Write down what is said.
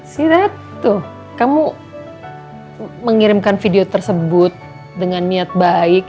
si natu kamu mengirimkan video tersebut dengan niat baik